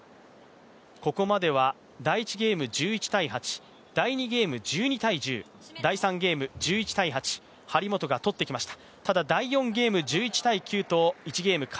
ここまでは第１ゲーム１１−８第２ゲーム１２−１０、第３ゲーム１１−８、張本が取ってきました。